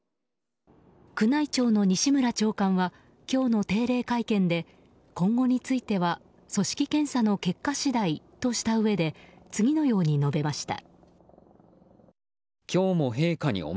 宮内庁の西村長官は今日の定例会見で今後については組織検査の結果次第としたうえで次のように述べました。